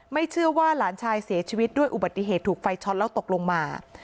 เชื่อว่าหลานชายเสียชีวิตด้วยอุบัติเหตุถูกไฟช็อตแล้วตกลงมา